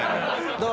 どう？